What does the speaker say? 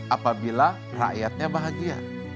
apabila rakyatnya bahagia